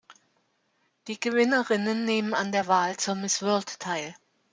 Die Gewinnerinnen nehmen an der Wahl zur Miss World teil.